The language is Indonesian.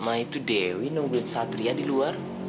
ma itu dewi nungguin satria di luar